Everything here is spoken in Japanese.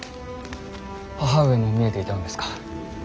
母上も見えていたのですか。